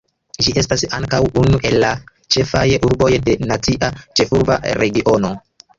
Ĝi estas ankaŭ unu el la ĉefaj urboj de Nacia Ĉefurba Regiono.